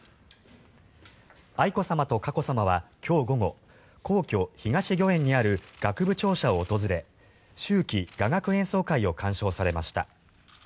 愛子さまと佳子さまは今日午後皇居・東御苑にある楽部庁舎を訪れ秋季雅楽演奏会を鑑賞されました。